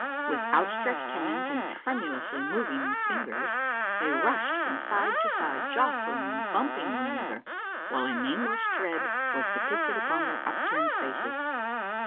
With outstretched hands and tremulously moving lingers they rushed from side to side, jostling and bumping one another, while a nameless dread wfis depicted upon their upturned faces.